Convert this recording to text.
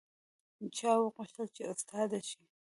چا غوښتل چې استاده شي